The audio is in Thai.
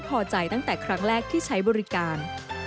พอใจตั้งแต่ครั้งแรกที่ใช้บริการ